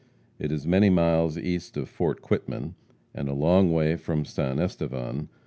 It is many miles east of Fort Quitman, and a long way from San Estevan.